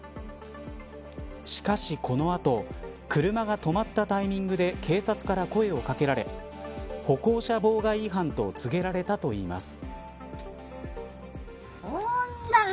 しかし、この後車が止まったタイミングで警察から声を掛けられ歩行者妨害違反と告げられたといいます。